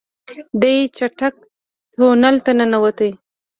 دی چټک تونل ته ننوت.